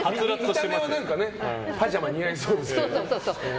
見た目はパジャマが似合いそうですけどね。